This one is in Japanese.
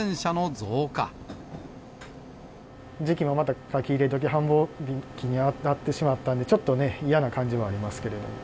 時期もまた書き入れ時、繁忙期になってしまったんで、ちょっとね、嫌な感じはありますけども。